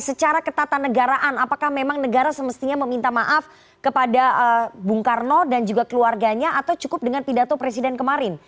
secara ketatanegaraan apakah memang negara semestinya meminta maaf kepada bung karno dan juga keluarganya atau cukup dengan pidato presiden kemarin